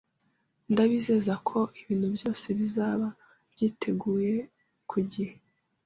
Ndabizeza ko ibintu byose bizaba byiteguye ku gihe.